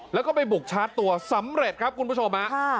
แล้วก็ไปบุกชาร์จตัวสำเร็จครับคุณผู้ชมฮะ